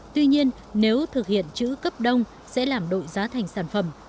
tuy nhiên nếu thực hiện chữ cấp đông sẽ làm đội giá thành sản phẩm